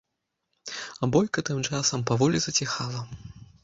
А бойка тым часам паволі заціхала.